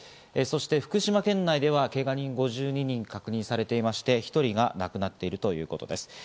そして福島県内ではけが人５２人が確認されていまして１人が亡くなっているということです。